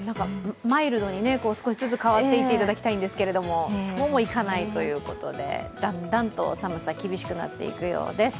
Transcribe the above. マイルドに少しずつ変わっていっていただきたいんですけれども、そうもいかないということで、だんだんと寒さ厳しくなっていくようです。